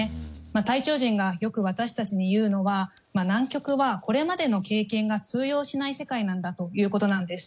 隊長陣がよく、私たちに言うのは南極は、これまでの経験が通用しない世界なんだということなんです。